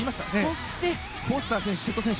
そしてフォスター選手、瀬戸選手